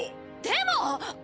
でも！